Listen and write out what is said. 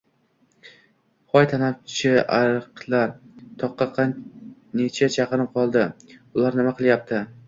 — Hoy tanobchi ariqlar! Toqqa necha chaqirim qoldi? Ular nima qilyapti?